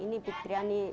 ini pikiran ini